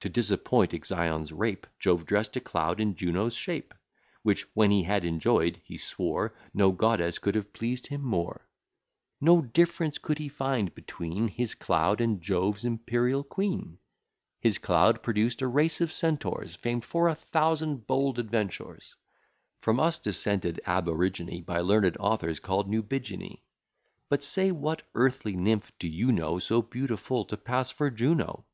To disappoint Ixion's rape Jove dress'd a cloud in Juno's shape; Which when he had enjoy'd, he swore, No goddess could have pleased him more; No difference could he find between His cloud and Jove's imperial queen; His cloud produced a race of Centaurs, Famed for a thousand bold adventures; From us descended ab origine, By learned authors, called nubigenae; But say, what earthly nymph do you know, So beautiful to pass for Juno?